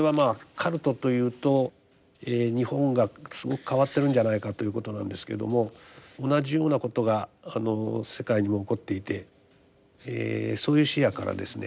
カルトというと日本がすごく変わってるんじゃないかということなんですけども同じようなことが世界にも起こっていてそういう視野からですね